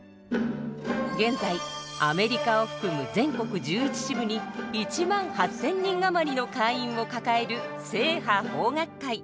現在アメリカを含む全国１１支部に１万８，０００人余りの会員を抱える正派邦楽会。